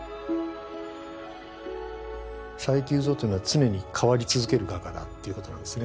佐伯祐三っていうのは常に変わり続ける画家だっていうことなんですね。